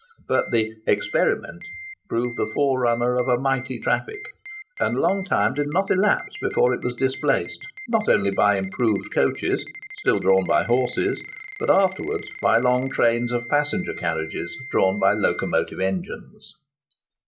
But the "Experiment" proved the forerunner of a mighty traffic: and long time did not elapse before it was displaced, not only by improved coaches (still drawn by horses), but afterwards by long trains of passenger carriages drawn by locomotive engines.